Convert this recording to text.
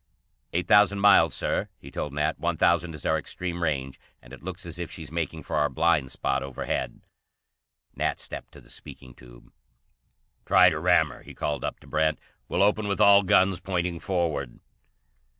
"Eight thousand miles, Sir," he told Nat. "One thousand is our extreme range. And it looks as if she's making for our blind spot overhead." Nat stepped to the speaking tube. "Try to ram her," he called up to Brent. "We'll open with all guns, pointing forward."